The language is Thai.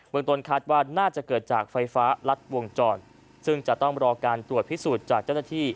เมืองต้นคาดว่าน่าจะเกิดจากไฟฟ้ารัดวงจรซึ่งจะต้องรอการตรวจพิสูจน์จากเจ้าหน้าที่